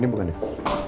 ini bukan dia